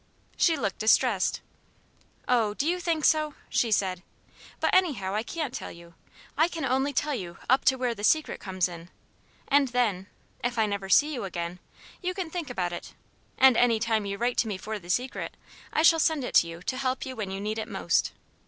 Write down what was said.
She looked distressed. "Oh, do you think so?" she said. "But anyhow I can't tell you. I can only tell you up to where the Secret comes in, and then if I never see you again, you can think about it; and any time you write to me for the Secret, I'll send it to you to help you when you need it most."